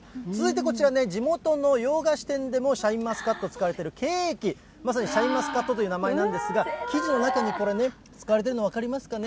続いてこちらね、地元の洋菓子店でもシャインマスカット使われているケーキ、まさにシャインマスカットという名前なんですが、生地の中に、これね、使われているの分かりますかね。